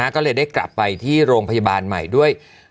ก็เลยได้กลับไปที่โรงพยาบาลใหม่ด้วย